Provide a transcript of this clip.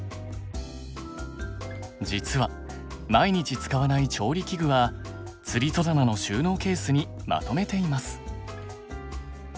実は毎日使わない調理器具はつり戸棚の収納ケースにまとめています。